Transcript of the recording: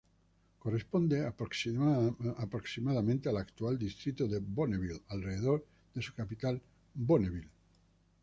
Corresponde aproximadamente al actual Distrito de Bonneville, alrededor de su capital, Bonneville.